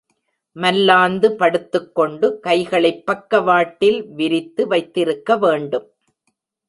மல்லாந்து படுத்துக் கொண்டு கைகளைப் பக்கவாட்டில், விரித்து வைத்திருக்க வேண்டும்.